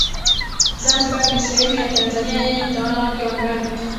Zanzibar ni sehemu ya Tanzania yenye utawala wake wa ndani